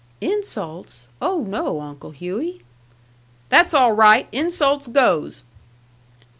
"Insults? Oh, no, Uncle Hughey!" "That's all right! Insults goes!"